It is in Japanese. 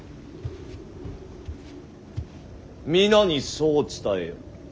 皆にそう伝えよ。